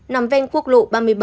nằm ven quốc lộ ba mươi bảy